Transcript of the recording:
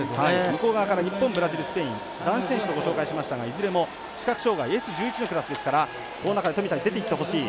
向こう側から日本、ブラジル、スペイン男子選手とご紹介しましたがいずれも、視覚障がいＳ１１のクラスですからこの中で富田に出ていってほしい。